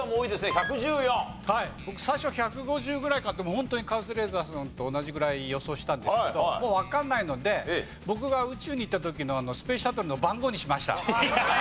僕最初は１５０ぐらいかってもうホントにカズレーザーさんと同じぐらい予想したんですけどもうわかんないので僕が宇宙に行った時のスペースシャトルの番号にしました。